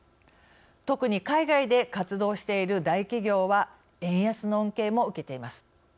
特に海外で活動している大企業は円安の恩恵も受けています。